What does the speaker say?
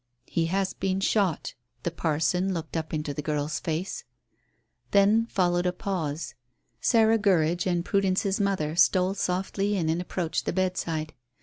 "He has been shot." The parson looked up into the girl's face. Then followed a pause. Sarah Gurridge and Prudence's mother stole softly in and approached the bedside.